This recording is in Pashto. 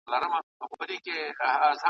د اټک د سیند موجوکي ,